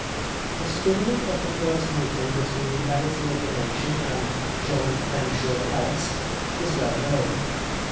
The story of the first meeting between the editor of The Nation and " John Fenshaw Ellis " is well known.